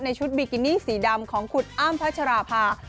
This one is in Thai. ในชุดบิกินี่สีดำของขุดอ้ามพระชรภา